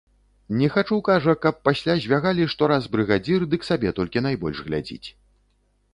Не хачу, кажа, каб пасля звягалі, што раз брыгадзір, дык сабе толькі найбольш глядзіць.